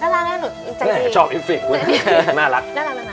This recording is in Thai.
น่ารักน่ารักน่ารัก